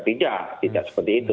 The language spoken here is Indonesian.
tidak tidak seperti itu